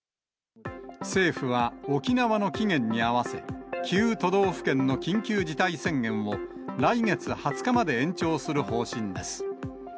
政府は沖縄の期限に合わせ、９都道府県の緊急事態宣言を、来月２０日まで延長する方針です。